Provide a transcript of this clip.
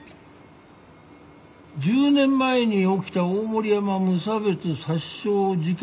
１０年前に起きた大森山無差別殺傷事件。